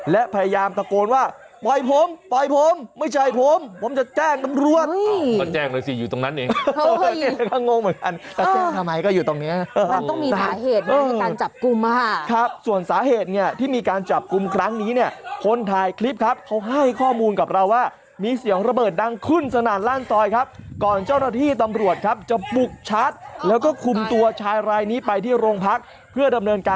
และพยายามตะโกนว่าปล่อยผมปล่อยผมไม่ใช่ผม